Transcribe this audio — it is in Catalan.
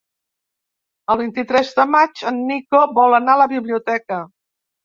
El vint-i-tres de maig en Nico vol anar a la biblioteca.